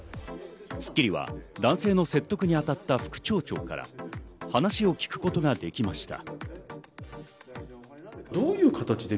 『スッキリ』は男性の説得に当たった副町長から話を聞くことができました。